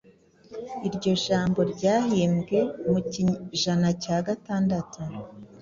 Iryo jambo ryahimbwe mu kinyejana cya cyagatatu